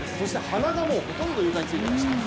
鼻がほとんど床についていました。